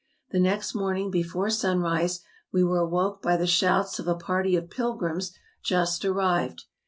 The next morning before sunrise, we were awoke by the shouts of a party of pilgrims just arrived.